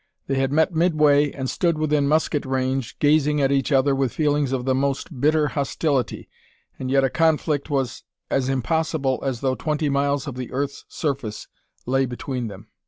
They had met midway, and stood within musket range, gazing at each other with feelings of the most bitter hostility, and yet a conflict was as impossible as though twenty miles of the earth's surface lay between them.